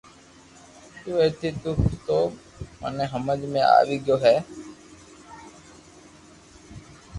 تو ايتي تڪ تو مني ھمج ۾ آوئي گيو ھي